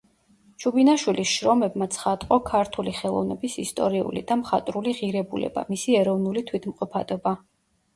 ჩუბინაშვილის შრომებმა ცხადყო ქართული ხელოვნების ისტორიული და მხატვრული ღირებულება, მისი ეროვნული თვითმყოფადობა.